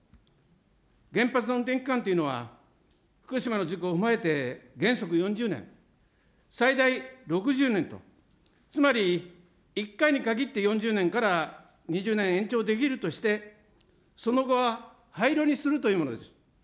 原発の運転期間というのは、福島の事故を踏まえて原則４０年、最大６０年と、つまり１回にかぎって４０年から２０年延長できるとして、その後は廃炉にするというものです。